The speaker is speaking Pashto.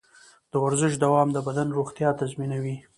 د ورزش دوام د بدن روغتیا تضمینوي.